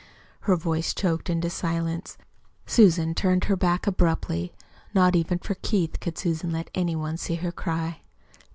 Her voice choked into silence. Susan turned her back abruptly. Not even for Keith could Susan let any one see her cry.